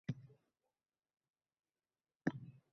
U tuyg‘ularimizni to‘lqinlantiradi ham.